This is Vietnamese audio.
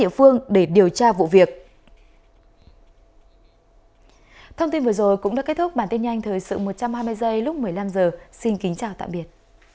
cảnh sát địa phương để điều tra vụ việc